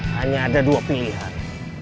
hanya ada dua pilihan